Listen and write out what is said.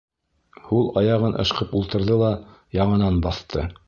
Һул аяғын ышҡып ултырҙы ла яңынан баҫты.